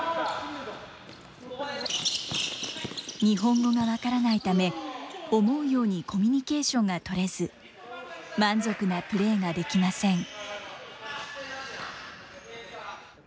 日本語が分からないため、思うようにコミュニケーションが取れず、満足なプレーができません。